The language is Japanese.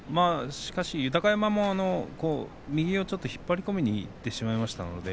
豊山の右を少し引っ張り込みにいってしまいました。